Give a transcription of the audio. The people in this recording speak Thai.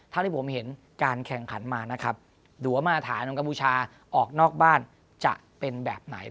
เท่าที่ผมเห็นการแข่งขันมานะครับหรือว่ามาตรฐานของกัมพูชาออกนอกบ้านจะเป็นแบบไหน